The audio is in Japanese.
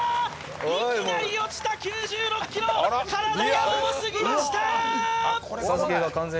いきなり落ちた９６ｋｇ体が重すぎましたー！